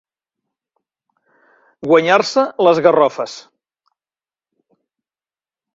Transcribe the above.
Guanyar-se les garrofes.